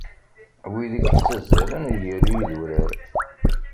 Win i yettazzalen gar yidurar.